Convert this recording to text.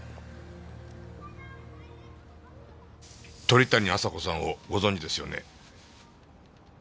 鳥谷亜沙子さんをご存じですよね？